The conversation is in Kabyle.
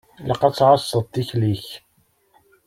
Ilaq ad tɛasseḍ tikli-k.